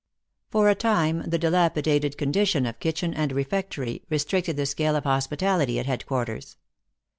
For a time the dilapidated condition of kitchen and refectory restricted the scale of hospitality at head quarters.